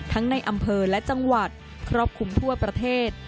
ในอำเภอและจังหวัดครอบคลุมทั่วประเทศ